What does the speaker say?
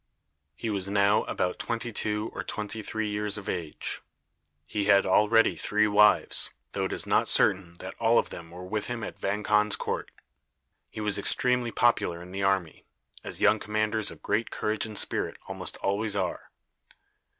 He was now about twenty two or twenty three years of age. He had already three wives, though it is not certain that all of them were with him at Vang Khan's court. He was extremely popular in the army, as young commanders of great courage and spirit almost always are.